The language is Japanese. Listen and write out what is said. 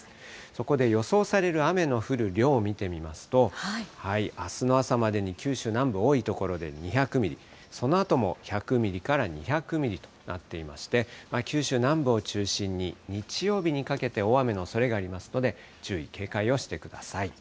そこで予想される雨の降る量を見てみますと、あすの朝までに九州南部、多い所で２００ミリ、そのあとも１００ミリから２００ミリとなっていまして、九州南部を中心に、日曜日にかけて大雨のおそれがありますので、注意、警戒をしてください。